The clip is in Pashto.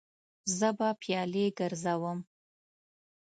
زه به پیالې ګرځوم.